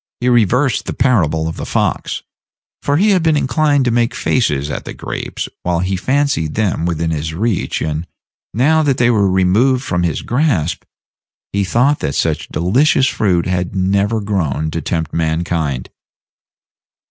He reversed the parable of the fox; for he had been inclined to make faces at the grapes while he fancied them within his reach, and, now that they were removed from his grasp, he thought that such delicious fruit had never grown to tempt mankind.